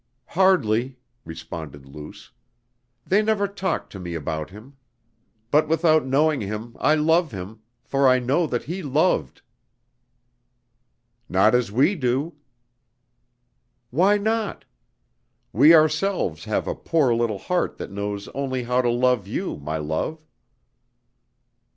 "Hardly," responded Luce. "They never talked to me about him. But without knowing him I love him.... For I know that he loved." "Not as we do." "Why not? We ourselves have a poor little heart that knows only how to love you, my love.